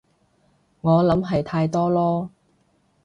我諗係太多囉